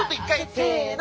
せの。